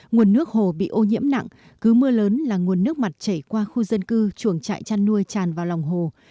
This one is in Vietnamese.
nguồn nước hồ bị ô nhiễm nặng cứ mưa lớn là nguồn nước mặt chảy qua khu dân cư chuồng trại chăn nuôi tràn vào lòng hồ